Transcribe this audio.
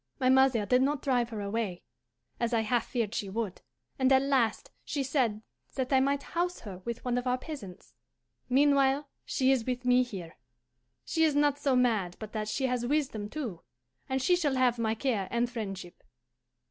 "My mother did not drive her away, as I half feared she would, and at last she said that I might house her with one of our peasants. Meanwhile she is with me here. She is not so mad but that she has wisdom too, and she shall have my care and friendship.